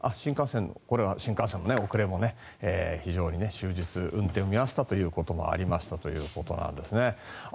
新幹線の遅れも非常に終日運転を見合わせたこともあったということです。